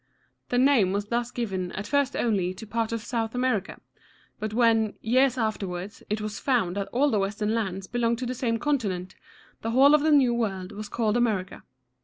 The name was thus given at first only to part of South America; but when, years afterwards, it was found that all the western lands belonged to the same continent, the whole of the New World was called America.